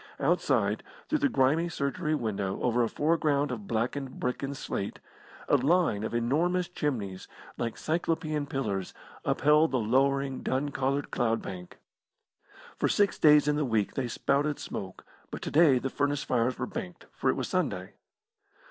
Outside, through the grimy surgery window over a foreground of blackened brick and slate, a line of enormous chimneys like Cyclopean pillars upheld the lowering, dun coloured cloud bank. For six days in the week they spouted smoke, but to day the furnace fires were banked, for it was Sunday.